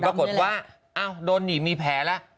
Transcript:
ผลปรากฏว่าอ้าวโดนหนีบมีแผลละ